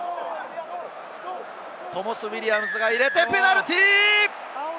トモス・ウィリアムズが入れて、ペナルティー！